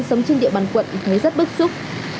sống trên địa bàn quận thấy rất bức xúc